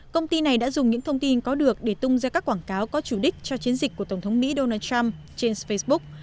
công ty này đã dùng những thông tin có được để tung ra các quảng cáo có chủ đích cho chiến dịch của tổng thống mỹ donald trump trên facebook